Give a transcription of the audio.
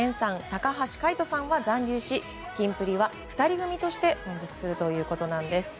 高橋海人さんは残留しキンプリは２人組として存続するということなんです。